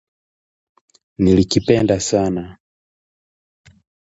Nilikipenda sana